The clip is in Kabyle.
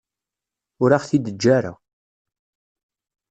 Ur aɣ-t-id-teǧǧa ara.